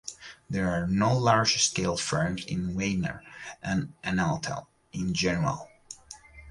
There are no large-scale firms in Weimar and in Ahnatal in general.